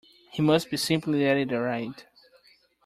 He must simply let it ride.